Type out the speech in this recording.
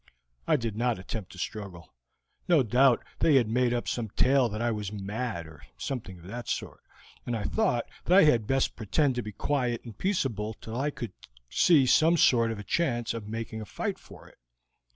"I did not attempt to struggle. No doubt they had made up some tale that I was mad or something of that sort, and I thought that I had best pretend to be quiet and peaceable till I could see some sort of chance of making a fight for it.